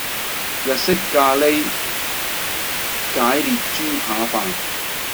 日式咖喱解列豬扒飯